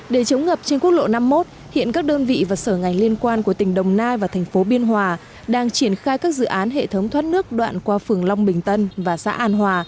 để chống ngập trên quốc lộ năm mươi một hiện các đơn vị và sở ngành liên quan của tỉnh đồng nai và thành phố biên hòa đang triển khai các dự án hệ thống thoát nước đoạn qua phường long bình tân và xã an hòa